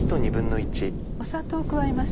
砂糖を加えます。